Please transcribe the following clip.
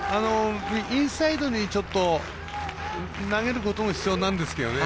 インサイドにちょっと投げることも必要なんですけどね。